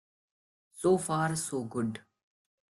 So far so good.